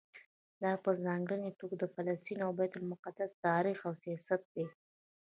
دا په ځانګړي توګه د فلسطین او بیت المقدس تاریخ او سیاست دی.